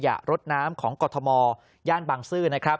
ขยะรถน้ำของกฎธมรณ์ย่านบ้างซื่อ